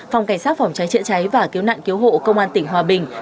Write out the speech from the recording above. phòng cảnh sát phòng cháy chữa cháy và cứu nạn cứu hộ công an tỉnh hòa bình